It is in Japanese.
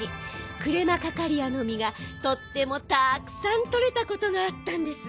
クレマカカリアのみがとってもたくさんとれたことがあったんです。